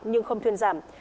nhưng không thuyền giảm